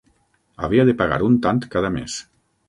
Havia de pagar un tant cada mes.